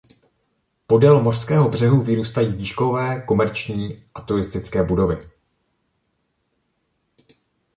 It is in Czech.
Podél mořského břehu vyrůstají výškové komerční a turistické budovy.